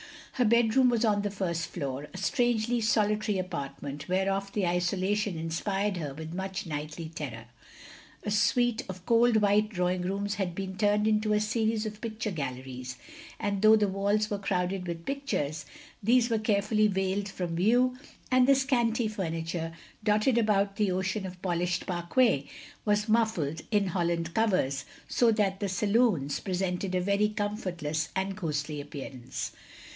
Her bedroom was on the first floor; a strangely solitary apartment, whereof the isolation inspired her with much nightly terror. A smte of cold white drawing rooms had been turned into a series of picttire galleries, and though the walls were crowded with pictures, these were carefully veiled from view, and the scanty furniture, dotted about the ocean of polished parquet, was muffled in hoUand covers, so that the saloons presented a very comfortless and ghostly appearance.